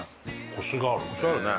コシあるね。